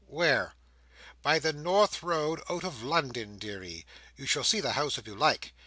"Where?" "By the north road out of London, deary. You shall see the house if you like.